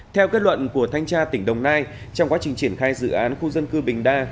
theo kết luận của thanh tra tỉnh đồng nai trong quá trình triển khai dự án khu dân cư bình đa